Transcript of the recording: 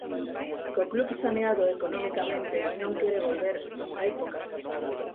Co club, saneado economicamente, non quere volver a épocas pasadas.